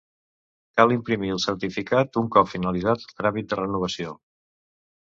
Cal imprimir el certificat un cop finalitzat el tràmit de renovació.